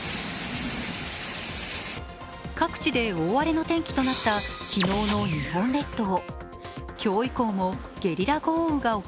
各地で大荒れの天気となった昨日の日本列島。